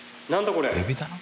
これ。